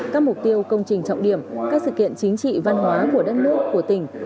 các mục tiêu công trình trọng điểm các sự kiện chính trị văn hóa của đất nước của tỉnh